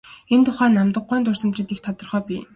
Энэ тухай Намдаг гуайн дурсамжид их тодорхой бий.